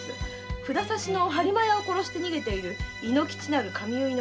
札差の播磨屋を殺して逃げている猪之吉なる髪結いの行方を。